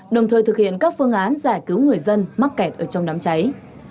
đồng thời thực hiện các phương án giải cứu người dân mắc kẹt ở trong đám cháy